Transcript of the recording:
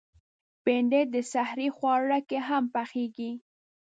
بېنډۍ د سحري خواړه کې هم پخېږي